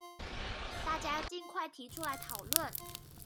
大家儘快提出來討論